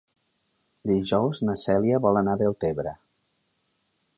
Dijous na Cèlia vol anar a Deltebre.